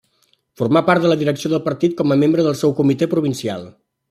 Formà part de la direcció del partit com a membre del seu comitè provincial.